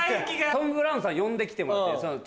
トム・ブラウンさん呼んで来てもらって。